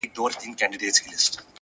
د زاړه کور چت د باران هر موسم پیژني!.